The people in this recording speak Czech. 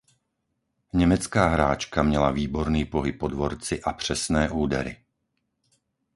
Německá hráčka měla výborný pohyb po dvorci a přesné údery.